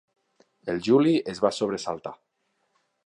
El Juli es va sobresaltar.